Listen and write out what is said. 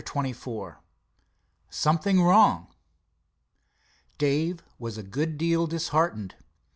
CHAPTER XXIV SOMETHING WRONG Dave was a good deal disheartened.